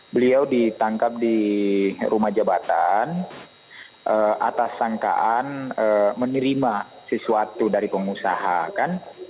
beliau ditangkap di rumah jabatan atas sangkaan menerima sesuatu dari pengusaha kan